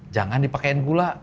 jangan dipakai gula